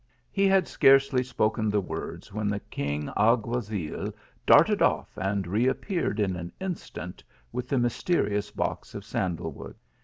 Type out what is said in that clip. He had hardly spoken the words when the keen alguazil darted off and reappeared in an instant with the mysterious box of sandal wood.